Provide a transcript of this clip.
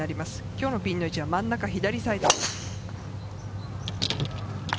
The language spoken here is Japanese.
今日のピンの位置は真ん中左サイド。